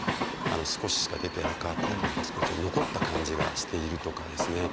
少ししか出てなかったりとか少し残った感じがしているとかですね